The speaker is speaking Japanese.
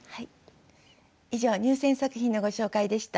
以上入選作品のご紹介でした。